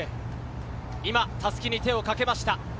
今、襷に手をかけました。